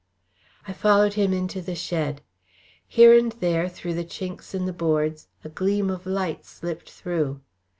I followed him into the shed. Here and there, through the chinks in the boards, a gleam of light slipped through.